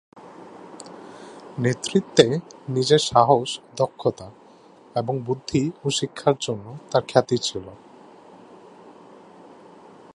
নেতৃত্বে নিজের সাহস ও দক্ষতা এবং বুদ্ধি ও শিক্ষার জন্য তার খ্যাতি ছিল।